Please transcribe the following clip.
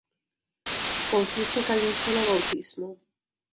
Confieso que hay un solo bautismo